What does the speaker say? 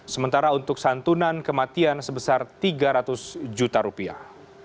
sementara untuk santunan kematian sebesar tiga ratus juta rupiah